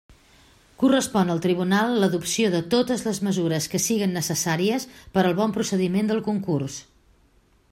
Correspon al tribunal l'adopció de totes les mesures que siguen necessàries per al bon procediment del concurs.